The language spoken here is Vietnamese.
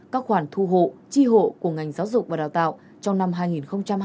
các khoản thu hộ chi hộ của ngành giáo dục và đào tạo trong năm hai nghìn hai mươi hai hai nghìn hai mươi ba